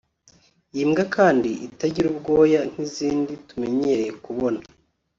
Iyi mbwa kandi itagira ubwoya nk’izindi tumenyereye kubona